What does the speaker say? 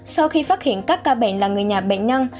sau khi phát hiện các ca bệnh là người nhà bệnh nhân